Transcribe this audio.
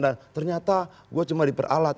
dan ternyata gue cuma diperalat